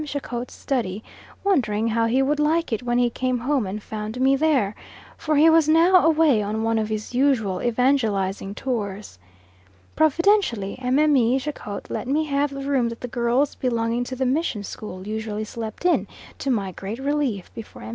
Jacot's study, wondering how he would like it when he came home and found me there; for he was now away on one of his usual evangelising tours. Providentially Mme. Jacot let me have the room that the girls belonging to the mission school usually slept in, to my great relief, before M.